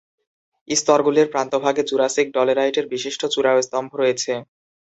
স্তরগুলির প্রান্তভাগে জুরাসিক ডলেরাইটের বিশিষ্ট চূড়া ও স্তম্ভ রয়েছে।